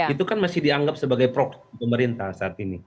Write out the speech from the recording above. itu kan masih dianggap sebagai prok pemerintah saat ini